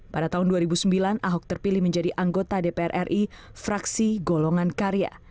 pada tahun dua ribu sembilan ahok terpilih menjadi anggota dpr ri fraksi golongan karya